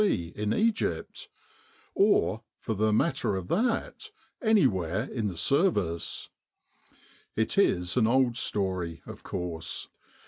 C. in Egypt; or, for the matter of that, anywhere in the Service. It is the old story, of course.